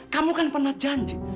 kamu kan pernah janji